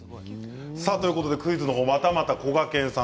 クイズの方、またまたこがけんさん